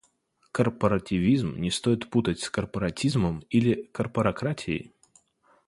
Корпоративизм не стоит путать с корпоратизмом или корпоратократией.